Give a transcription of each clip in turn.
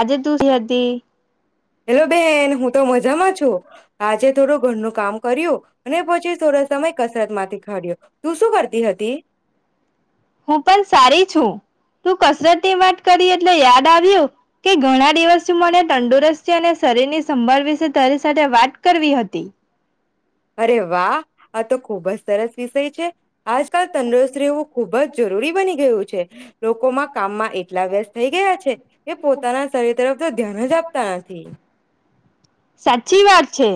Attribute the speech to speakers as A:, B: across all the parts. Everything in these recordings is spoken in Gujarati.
A: આજે તુજ [unintelligible]
B: હેલો બેન હું તો મજામાં છું, આજે થોડું ઘરનું કામ કર્યું અને પછી થોડો સમય કસરત માંથી ખાડ્યો, તું શું કરતી હતી?
A: હું પણ સારી છું, તું કસરતની વાત કરી એટલે યાદ આવ્યું કે ઘણા દિવસથી મને તંદુરસ્તી અને શરીરની સંભાળ વિશે તારી સાથે વાત કરવી હતી.
B: અરે વાહ આ તો ખુબ જ સરસ વિષય છે આજકાલ તંદુસ્ત રેવું ખુબ જ જરૂરી બની ગયું છે લોકોમાં કામમાં એટલા વ્યસ્ થઈ ગયા છે કે પોતાના શરીર તરફ તો ધ્યાન જ આપતા નથી.
A: સાચી વાત છે.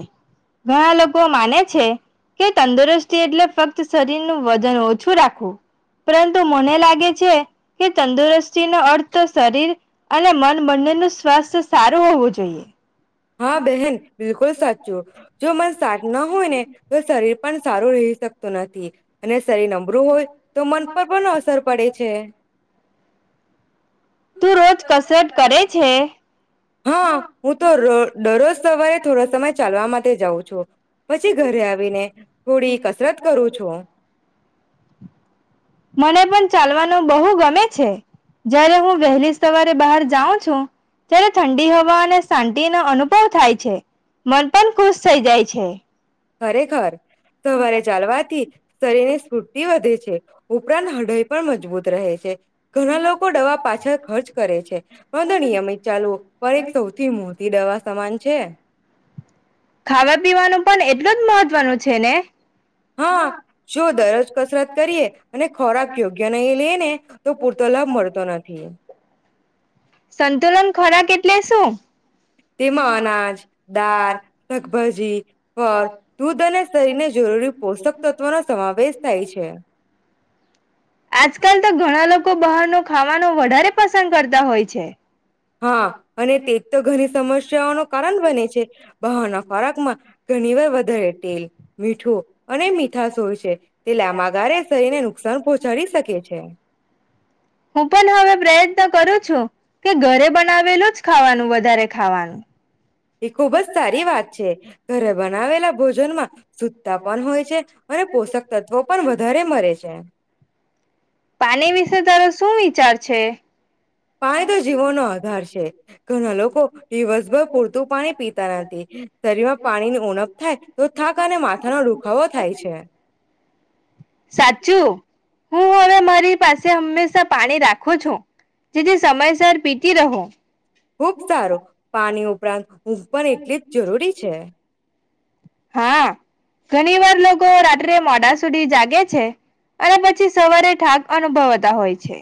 A: ઘણા લોકો માને છે કે તંદુરસ્તી એટલે ફક્ત શરીર નું વજન ઓછું રાખવું પરંતુ મને લાગે છે કે તંદુરસ્તી નો અર્થ શરીર અને મન બંનેનું સ્વાસ્થ્ય સારું હોવું જોઈએ.
B: હા બહેન બિલકુલ સાચું જો મન સાત ન હોય ને તો શરીર પણ સારું રહી શકતું નથી. ઠીક. અને શરીર નબરું હોય તો મન પર પણ અસર પડે છે.
A: તું રોજ કસરત કરે છે.
B: હા હું તો દરરોજ સવારે થોડાો સમય ચાલવા માટે જાઉં છું પછી ઘરે આવીને થોડી કસરત કરું છું.
A: મને પણ ચાલવાનું બહુ ગમે છે જ્યારે હું વહેલી સવારે બહાર જાઉં છું ત્યારે ઠંડી હવા અને શાંતિ નો અનુભવ થાય છે મન પણ ખુશ થઈ જાય છે.
B: ખરેખર સવારે ચાલવાથી શરીર ની સ્ફૂર્તિ વધે છે ઉપરાંત હૃદઈ પણ મજબૂત રહે છે. ઘણા લોકો દવા પાછળ ખર્ચ કરે છે પણંધ નિયમિત ચાલુ પણ એક સૌથી મોટી દવા સમાન છે.
A: ખાવા પીવાનું પણ એટલું જ મહત્વનું છે ને.
B: હા જો દરરોજ કસરત કરીએ અને ખોરાક યોગ્ય નહીં લે ને તો પૂરતો લાભ મળતો નથી.
A: સંતુલન ખોરાલ એટલે શું?
B: તેમાં અનાજ દાળ શકભાજી ફળ દૂધ અને શરીરને જરૂરી પોષક તત્વોનોો સમાવેશ થાય છે.
A: આજકાલ તો ઘણા લોકો બહાર ન ખાવાનો વધારે પસંદ કરતા હોય છે.
B: હા અને તેજ તો ઘણી સમસ્યાઓ ન કારણ બને છે બહારના ખોરાક માં ઘણી વાર વધારે તેલ મીઠું અને મીઠાશ હોય છે તે લાબ ગાર એ શરીરને નુકસાન પહોંચાડી શકે છે.
A: હું પણ હવે પ્રયત્ન કરું છું કે ઘરે બનાવેલું જ ખાવાનું વધારે ખાવાનું.
B: એ ખુબ જ સારી વાત છે ઘરે બનાવેલા ભોજનમાં સુતા પણ હોય છે અને પોષક તત્વો પણ વધારે મરે છે.
A: પાણી વિશે તારો શું વિચાર છે.
B: પાાય તો જીવો નો આધાર છે. ઘણા લોકો દિવસભર પૂરતું પાણી પીતા નથી શરીરમાં પાણીની ઉણપ થાય તો થાક અને માથાનો દુખાવો થાય છે.
A: સાચું હું હવે મારી પાસે હંમેશા પાણી રાખું છો જેથી સમયસર પીતી રહુ.
B: ખુબ સારું પાણી ઉપરાંત ઊંઘ પણ એટલી જ જરૂરી છે.
A: હા ઘણી વાર લોકો રાત્રે મોડા સુધી જાગે છે અને પછી સવારે ઠાક અનુભવતા હોય છે.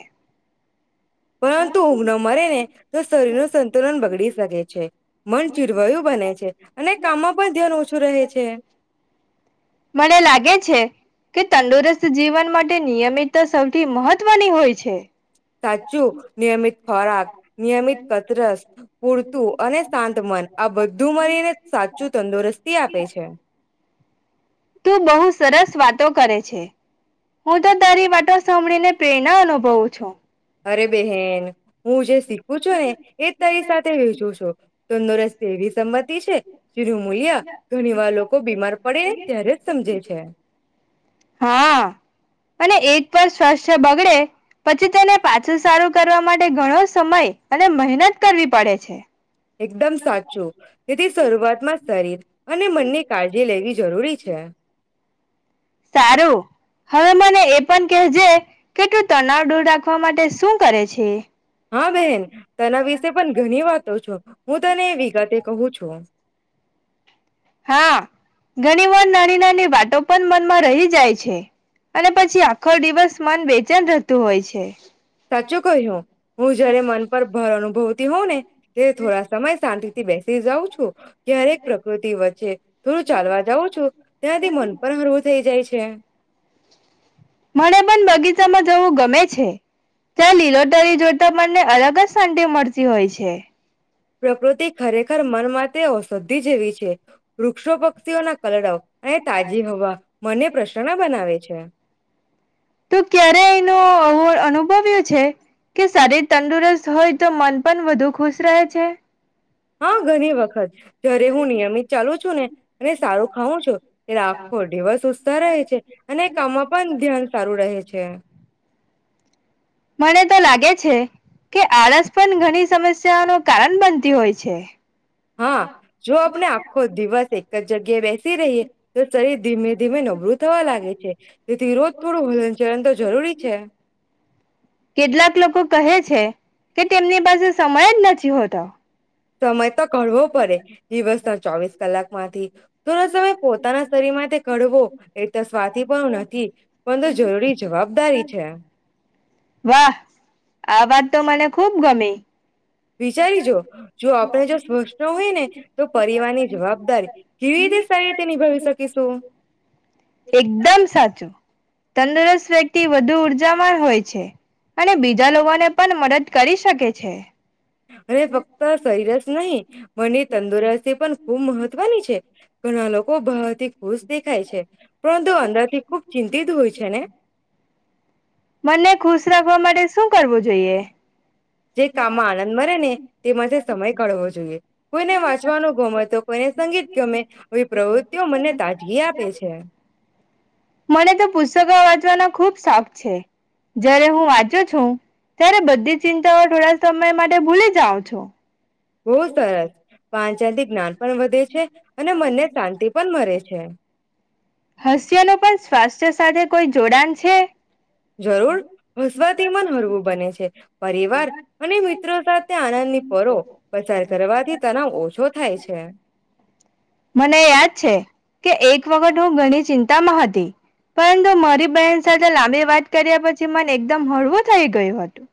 B: પરંતુ ઊંઘ ન મળે ને તો શરીરનું સંતુલન બગડી સ લગે છે. મન ચીરવાયું બને છે અને કામમાં પણ ધ્યાન ઓછું રહે છે.
A: મને લાગે છે કે તંદુરસ્ત જીવન માટે નિયમિતતા સૌથી મહત્વની હોય છે.
B: સાચું નિયમિત ખોરાક નિયમિત કતરસ પૂરતું અને શાંત મન આ બધું મળીને સાચું તંદુરસ્તી આપે છે.
A: તું બહુ સરસ વાતો કરે છે હું તો તારી વાતો સાંભળીને પ્રેરણા અનુભવું છું.
B: અરે બેહેન હું જે શીખું છું ને એ તારી સાથે વેચું છું તંદુરસ્ત એવી સંમતિ છે જેનું મૂલ્ય ઘણી વાર લોકો બીમાર પડે ને ત્યારે જ સમજે છે.
A: હા અને એક પર સ્વચ્છ બગડે પછી તેને પાછા પાછુ સારું કરવા માટે ઘણો સમય અને મહેનત કરવી પડે છે.
B: એકદમ સાચું તેથી શરૂઆતમાં શરીર અને મનની કાળજી લેવી જરૂરી છે.
A: સારું હવે મને એ પણ કેહેજે કેટલું તણાવ દૂર રાખવા માટે શું કરે છે.
B: હા બેન તના વિશે પણ ઘણી વાતો છો હું તને એ વિગતે કહું છું.
A: હા ઘણી વાર નાની નાની વાતો પણ મનમાં રહી જાય છે અને પછી આખો દિવસ મન બેચેન રહેતું હોય છે.
B: સાચું કહ્યુ. હું જયારે મન પર ભર અનુભવતી હોઉં ને ત્યારે થોડા સમય શાંતિ બેસી જાઉં છું. ક્યારેક પ્રકૃતિ વચ્ચે થોડું ચાલવા જાઉં છું ત્યાંથી મન પણ હરવું થઈ જાય છે.
A: મને પણ બગીચામાં જવું ગમે છે ત્યાં લીલો તરી જોતા મને અલગ જ શાંતિ મળતી હોય છે.
B: પ્રકૃતિ ખરેખર ર મનમાં ઔષદ્ધિ જેવી છે વૃક્ષો પક્ષીઓના કલડો અને તાજી હવા મને પ્રશ્ન બનાવે છે.
A: તો ક્યારે એનું અનુભવ્યું છે કે શરીર તંદુરસ્ત હોય તો મન પણ વધુ ખુશ રહે છે.
B: હા ઘણી વખત જયારે હું નિયમિત ચાલુ છું ને અને સારું ખઉં છું ત્યારે આખો દિવસ ઉત્સાહ રહે છે અને કામમાં પણ ધ્યાન સારું રહે છે.
A: મને તો લાગે છે કે આળસ પણ ઘણી સમસ્યાઓ ન કારણ બનતી હોય છે.
B: હા જો આપણે આખો દિવસ એક જ જગ્યાએ બેસી રહીએ તો શરીર ધીમે ધીમે નબળું થવા લાગે છે તેથી રોજ થોડું હલનચલન તો જરૂરી છે.
A: કેટલાક લોકો કહે છે કે તેમની પાસે સમય જ નથી હોતો.
B: સમય તો કરવો પડે દિવસ ના ચોવીસ કલાક માથી થોડા સમય પોતાના શરીર માટે ઘડવો એટસ સ્વાર્થી પણ હું નથી પણ જરૂરી જવાબદારી છે.
A: વાહ આ વાત તો મને ખુબ ગમી.
B: વિચારીજો જો જો આપણે જો સ્પષ્ટ હોય ને તો પરિવારની જવાબદારી કેવી રીતે સારી રીતે નિભાવી શકીશું.
A: [unintelligible] એકદમ સાચું. તંદુરસ્ત વ્યક્તિ વધુ ઉર્જામાન હોય છે. અને બીજા લોકોને પણ મદદ કરી શકે છે.
B: અરે ફક્ત શરીર જ નહી મનની તંદુરસ્તી પણ ખૂબ મહત્વની છે ઘણા લોકો બહારથી ખુશ દેખાય છે પરંતુ અંદરથી ખુબ ચિંતિત હોય છે ને
A: મનને ખુશ રાખવા માટે શું કરવું જોઈએ?
B: જે કામમાં આનંદ મરેે ને તેમાંથી સમય કાળવો જોઈએ કોઈને વાંચવાનું ગમે તો કોઈને સંગીત ગમે એવી પ્રવૃતિઓ મને તાજગી આપે છે.
A: ખુબ શોખ છે. જય્યારે હું વાંચ્યો છું ત્યારે બધી ચિંતાઓ થોડા સમય માટે ભૂલી જાઓ છો.
B: બહુ સરસ વાનચનથી જ્ઞાન પણ વધે છે અને મનને શાંતિ પણ મરે છે.
A: હાસ્યાનો પણ સ્વાસ્થ્ય સાથે કોઈ જોડાણ છે.
B: જરૂર હસવાથી મન હરવું બને છે પરિવાર અને મિત્રો સાથે આનંદની પરો પસાર કરવાથી તણવ ઓછો થાય છે.
A: મને યાદ છે કે એક વખત હું ઘણી ચિંતામાં હતી પરંતુ મારી બહેન સાથે લાંબી વાત કર્યા પછી મન એકદમ હળવું થઈ ગયું હતું.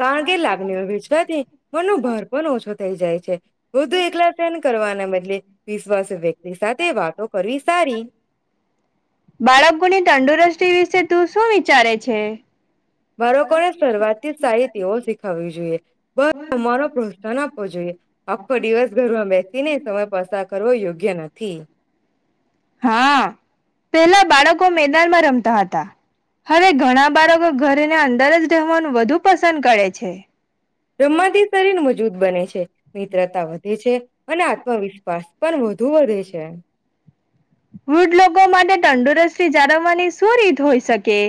B: કારણ કે લાગણી હોય ભીજથી મ ન ભર પણ ઓછ થઈ જાય છે. વધુ એકલા સહન કરવાના બદલે વિશ્વાસુ વ્યક્તિ સાથે વાતો કરવી સારી
A: બાળકોની તંદુરસ્તી વિ તું શું વિચારે છે.
B: બાળકો ને શરૂઆત થી સારી તેવ શીખાવવી જોઈએ. બસ અરો પ્રોત્સાહન આપવો જોઈએ આખો દિવસ ઘરમાં બેસી ને સમય પસાર કરવો યોગ્ય નથી.
A: હા પેલા બાળકો મેદાનમાં રમતા હતા હવે ઘણા બાળકો ઘરને અંદર જ રહેવાનું વધુ પસંદ કરે છે.
B: રમવાથી શરીર મજબૂત બને છે મિત્રતા વધે છે અને આત્મવિશ્વાસ પણ વધુ વધે છે.
A: વૃદ્ધ લોકો માટે તંદુરસ્તી ચારવવાની શું રીત હોઈ શકે.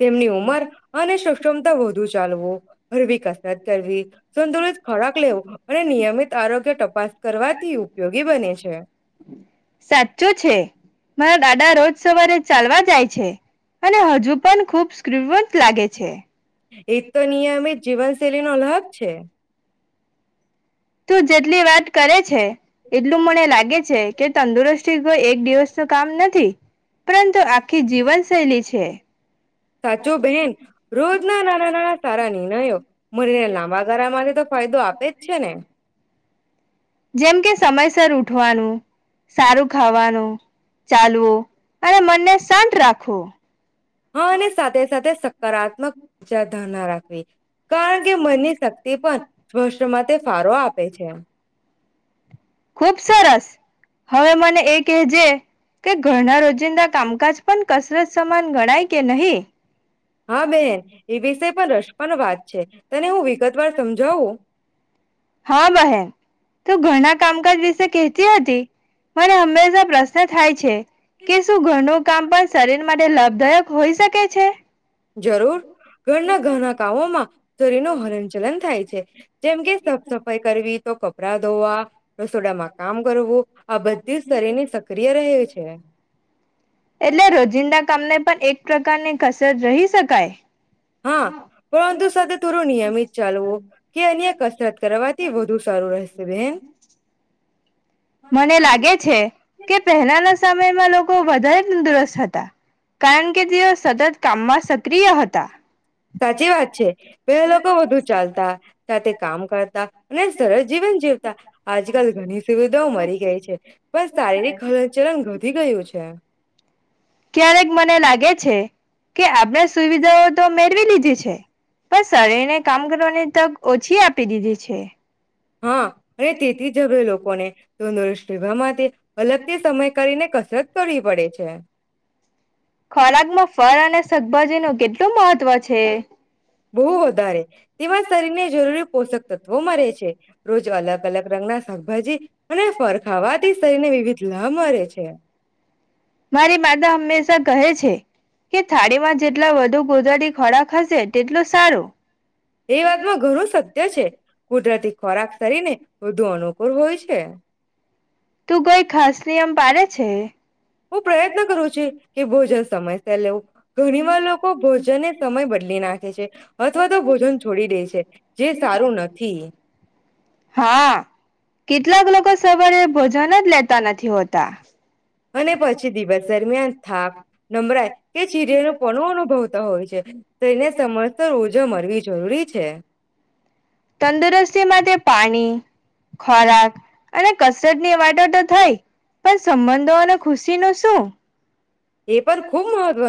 B: તેમની ઉંમર અને સક્ષમતા વધુ ચાલવું હરવી કસરત કરવી સંતુલિત ખોરાક લેવો અને નિયમિત આરોગ્ય તપાસ કરવાથી ઉપયોગી બને છે.
A: સાચું છે મારા દાદા રોજ સવારે ચાલવા જાય છે અને હજુ પણ ખુબ સ્કવત લાગે છે.
B: એ તો નિયમ જીવનશૈલીનો અલગ છે.
A: તું જેટલી વાત કરે છે એટલું મને લાગે છે કે તંદુરસ્તી કોઈ એક દિવસ તો કામ નથી પરંતુ આખી જીવન શૈલી છે.
B: સાચો બહેન રોજના નાના નાના સારા નિર્ણયો મનેને લાંબા ગાળામાંથી તો ફાયદો આપે જ છે ને.
A: જેમ કે સમયસર ઉઠવાનું સારું ખાવાનું ચાલવો અને મનને શાંત રાખવો.
B: હા અને સાથે સાથે સકારાત્મકજા ધ્યા ના રાખવી. કારણ કે મનની શક્તિ પણ સ્પષ્ટ માટે તે ફારો આપે છે.
A: ખુબ સરસ હવે મને એ કહેજે તે ઘરના રોજિંદા કામકાજ પણ કસરત સમાન ગણાય કે નહી.
B: હા બેહેન એ વિષ પણ રસપ વાત છે તને હું વિગતવાર સમજાવું.
A: હા બહેન તું ઘણા કામ કર વિશે કતી હતી. મને હંમેશા પ્રશ્ન થાય છે. કે શું ઘરનું કામ પણ શરીર માટે લાભદાયક હોઈ શકે? છે.
B: જરૂર ઘરના ઘણા કામોમાં શરીર ન હલનચલન થાય છે. જેમ કે સાફ સફાઈ કરવી તો કપડા. કપડા ધોવા રસોડામાં કામ કરવું. આ બધી જ શરીરની સક્રિય રહે છે
A: એટલે રોજિંદા કામને પણ એક પ્રકારની કસરત રહી શકાય.
B: હા પરંતુ સાથે થોડું નિયમિત ચાલવો કે અન્ય કસરત કરવાથી વધુ સારું રહેશે બેન.
A: મને લાગે છે કે પહેલાના સમયમાં લોકો વધારે તંદુરસ્ત હતા કારણ કે તેઓ સતત કામમાં સક્રિય હતા.
B: સાચી વાત છે. પહેલા લોકો વધુ ચાલતા સાથે કામ કરતા. અને સરળ જીવન જીવતા આજકાલ ઘણી સુવિધાઓ મરી ગઈ છે પણ શારીરિક હલનચલન વધી ગયું છે.
A: ક્યારેક મને લાગે છે કે આપણે સુવિધાઓ તો મેળવી લીધી છે પણ શરીરને કામ કરવાની તક ઓછી આપી દીધી છે.
B: હા અને તેથી જરૂરી લોકોને તંદુરસ્ત રહેવા માટે અલગથી સમય કરીને કસરત. કરવી પડે છે.
A: ખોરાકમાં ફળ અને શાકભાજીનું કેટલું મહત્વ છે.
B: બહુ વધારે તેજ શરીરને જરૂરી પોષક તત્વો મળે છે રોજ અલગ અલગ રંગના શાકભાજી અને ફર ખાવાથી શરીરને વિવિધ લાભ મળે છે.
A: મારી માતા હંમેશા કહે છે કે થાળીમાં જેટલા વધુ ગોધરાતી ખોડાક ખ હશે તેટલું સારું.
B: એ વાતમાં ઘણું સત્ય છે કુદરતી ખોરાક શરીને વધુ અનુકૂળ હોય છે.
A: તું કોઈ ખાસ નિયમ પાડે છે.
B: હું પ્રયત્ન કરું છું કે ભોજન સમય ત લેવું. ઘણીવાર લોકો ભોજનને સમય બદલી નાખે છે અથવા તો ભોજન છોડી દે છે જે સારું નથી.
A: હા કેટલાક લોકો સવારે ભોજન જ લેતા નથી હોતા.
B: અને પછી દિવસ દરમિયાન થાક નમરાઈ કે ચીરે ન પણ અનુભવતા હોય છે તેને સમ ઓજો મળવી જરૂરી છે.
A: તંદુરસ્તી માટે પાણી ખોરાક અને કસરતની વાતો તો થઈ પણ સંબંધો અને ખુશી ન શું
B: એ પણ ખુબ મહત્વ